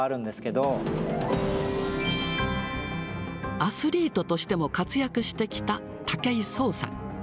アスリートとしても活躍してきた武井壮さん。